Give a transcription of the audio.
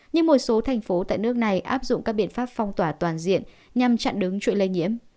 nhưng một số thành phố tại nước này áp dụng các biện pháp phong tỏa toàn diện nhằm chặn đứng chuỗi lây nhiễm